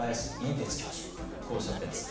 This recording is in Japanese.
てつ教授はこうおっしゃっています。